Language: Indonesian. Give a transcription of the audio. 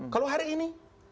kalau hari ini